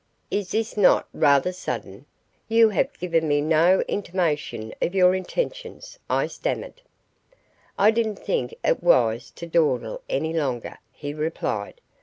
"Is this not rather sudden? You have given me no intimation of your intentions," I stammered. "I didn't think it wise to dawdle any longer," he replied.